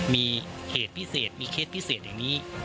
มีเหตุพิเศษมีเคสพิเศษอย่างนี้